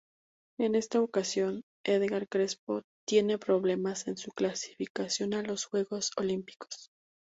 En esta ocasión, Edgar Crespo tiene problemas en su clasificación a los Juegos Olímpicos.